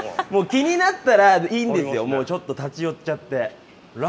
気になったらいいんですよ、ちょっと立ち寄っちゃって。